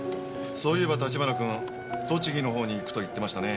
そういえば立花君栃木のほうに行くと言ってましたね。